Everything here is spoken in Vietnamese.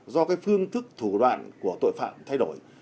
do cái phương thức thủ đoạn của tội phạm thay đổi